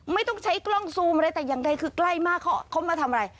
ไม่ต้องใช้กล้องซูมอะไรแต่อย่างใดคือใกล้มากเขามาทำอะไร